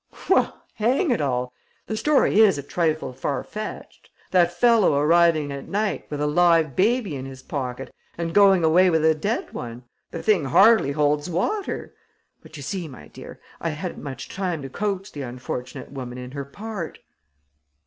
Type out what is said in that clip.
"Well, hang it all, the story is a trifle far fetched! That fellow arriving at night, with a live baby in his pocket, and going away with a dead one: the thing hardly holds water. But you see, my dear, I hadn't much time to coach the unfortunate woman in her part."